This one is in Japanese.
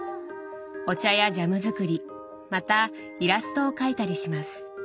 お茶やジャム作りまたイラストを描いたりします。